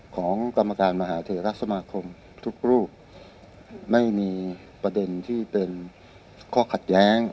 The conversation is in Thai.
ของกรรมการมหาเทราสมาคมทุกรูปไม่มีประเด็นที่เป็นข้อขัดแย้ง